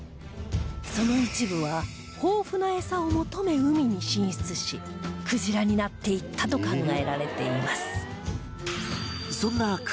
その一部は豊富なエサを求め海に進出しクジラになっていったと考えられています